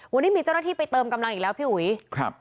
วันนี้มีเจ้าหน้าที่ไปเติมกำลังอีกแล้วพี่อุ๋ยครับ